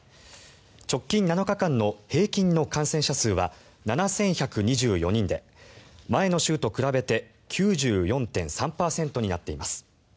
直近７日間の平均の感染者数は７１２４人で前の週と比べて９４．３％になっています。